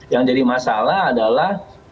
yang jadi masalah adalah